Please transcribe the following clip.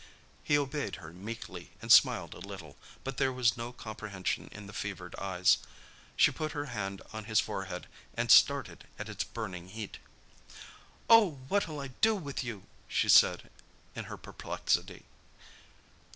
He obeyed her meekly and smiled a little, but there was no comprehension in the fevered eyes. She put her hand on his forehead and started at its burning heat. "Oh, what'll I do with you!" she said in her perplexity.